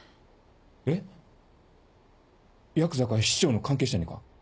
えっヤクザか市長の関係者にか？